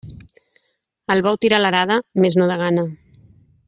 El bou tira l'arada, mes no de gana.